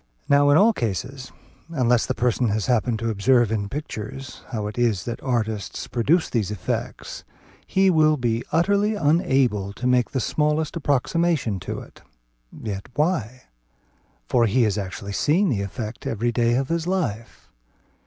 Now in all cases, unless the person has happened to observe in pictures how it is that artists produce these effects, he will be utterly unable to make the smallest approximation to it. Yet why? For he has actually seen the effect every day of his life.